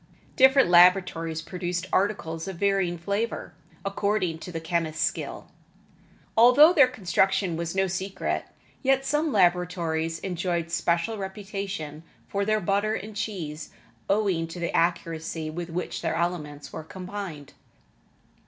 Different laboratories produced articles of varying flavor, according to the chemist's skill. Although their construction was no secret, yet some laboratories enjoyed special reputation for their butter and cheese owing to the accuracy with which their elements were combined.